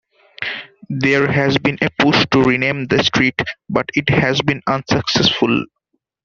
There has been a push to rename the street, but it has been unsuccessful.